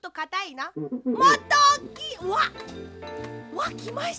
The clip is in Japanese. わっきました！